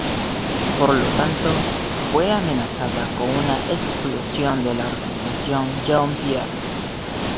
Por lo tanto, fue amenazada con una exclusión de la organización Young Pioneer.